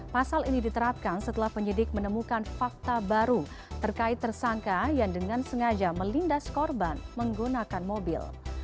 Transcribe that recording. pasal ini diterapkan setelah penyidik menemukan fakta baru terkait tersangka yang dengan sengaja melindas korban menggunakan mobil